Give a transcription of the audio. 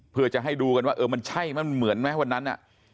เพื่อจะให้ดูกันว่าเออมันใช่ไหมมันเหมือนไหมวันนั้น